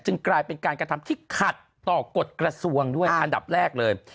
กลายเป็นการกระทำที่ขัดต่อกฎกระทรวงด้วยอันดับแรกเลย